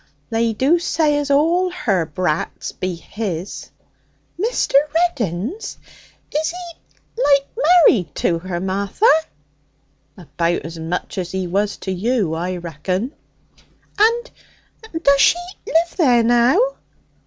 They do say as all her brats be his.' 'Mr. Reddin's? Is he like married to her, Martha?' 'About as much as he was to you, I reckon!' 'And does she live there now?'